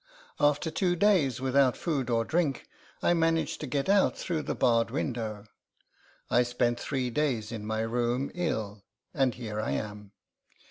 After two days without food or drink, I managed to get out through the barred window. I spent three days in my room, ill, and here I am.